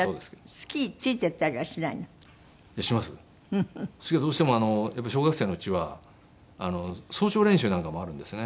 スキーはどうしても小学生のうちは早朝練習なんかもあるんですね。